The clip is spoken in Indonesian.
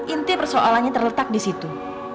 inti persoalannya terletak disitu